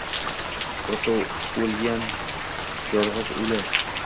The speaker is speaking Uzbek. Urushda o‘lgan yolg‘iz uli.